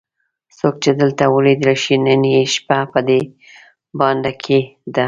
څوک چې دلته ولیدل شي نن یې شپه په دې بانډه کې ده.